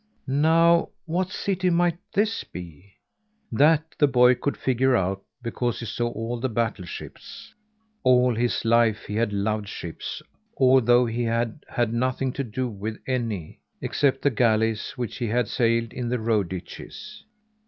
Now what city might this be? That, the boy could figure out because he saw all the battleships. All his life he had loved ships, although he had had nothing to do with any, except the galleys which he had sailed in the road ditches.